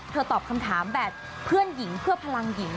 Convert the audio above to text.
ตอบคำถามแบบเพื่อนหญิงเพื่อพลังหญิง